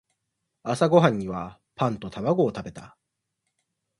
朝ごはんにはパンと卵を食べた。